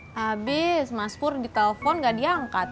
habis mas pur di telfon gak diangkat